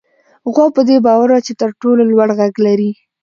غوا په دې باور وه چې تر ټولو لوړ غږ لري.